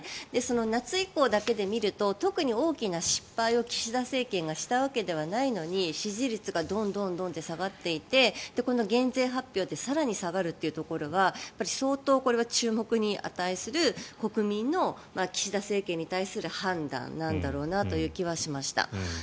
夏以降だけで見ると特に大きな失敗を岸田政権がしたわけでもないのに支持率がどんどんと下がっていってこの減税発表で更に下がるというところは相当これは、注目に値する国民の岸田政権に対する判断なんだろうなという気はしました。